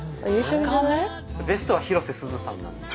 ベストは広瀬すずさんなんです。